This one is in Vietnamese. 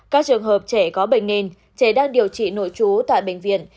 các trường hợp trẻ có bệnh nền trẻ đang điều trị nội trú tại bệnh viện